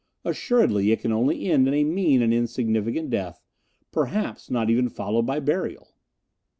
Assuredly it can only end in a mean and insignificant death, perhaps not even followed by burial."